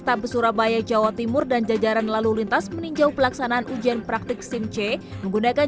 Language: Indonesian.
tabes surabaya jawa timur dan jajaran lalu lintas meninjau pelaksanaan ujian praktik simc menggunakan